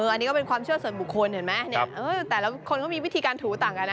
อันนี้ก็เป็นความเชื่อส่วนบุคคลเห็นไหมแต่ละคนก็มีวิธีการถูต่างกันนะ